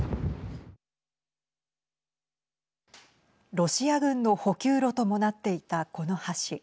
ロシア軍の補給路ともなっていたこの橋。